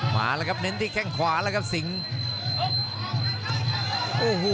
มาแล้วครับเน้นที่แข้งขวาแล้วครับสิงโอ้โห